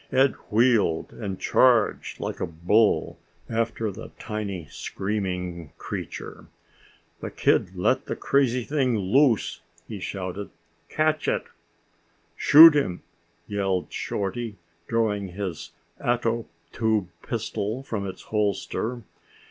Ed wheeled and charged like a bull after the tiny screaming creature. "The kid let the crazy thing loose!" he shouted. "Catch it!" "Shoot him!" yelled Shorty, drawing his ato tube pistol from its holster.